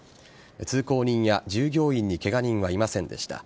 通行人や従業員にケガ人はいませんでした。